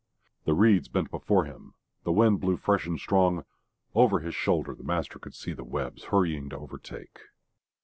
The reeds bent before them, the wind blew fresh and strong, over his shoulder the master could see the webs hurrying to overtake....